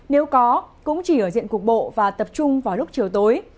nếu có cũng chỉ ở diện cục bộ và tập trung vào lúc chiều tối